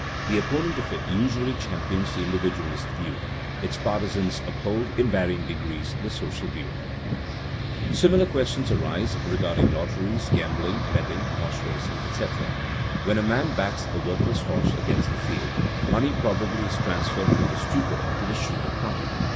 The opponent of it usually champions the individualist view; its partisans uphold, in varying degrees, the social view. [Sidenote: Other laws to protect public morals] Similar questions arise regarding lotteries, gambling, betting, horse racing, etc. When a man backs a worthless horse against the field, money probably is transferred from the stupider to the shrewder party.